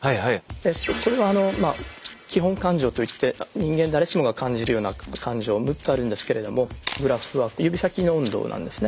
でこれは基本感情といって人間誰しもが感じるような感情６つあるんですけれどもグラフは指さきの温度なんですね。